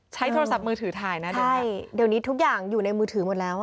ใช้โทรศัพท์มือถือถ่ายนะได้เดี๋ยวนี้ทุกอย่างอยู่ในมือถือหมดแล้วอ่ะ